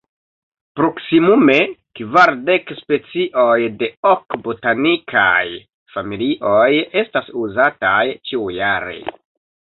Proksimume kvardek specioj de ok botanikaj familioj estas uzataj ĉiujare.